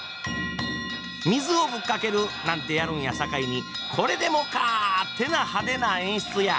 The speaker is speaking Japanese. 水をぶっかけるなんてやるんやさかいにこれでもかってな派手な演出や。